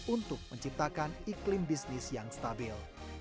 untuk menciptakan iklim bisnis yang stabil